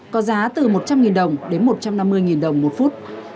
có giá từ một trăm linh đồng đến một trăm năm mươi đồng một phút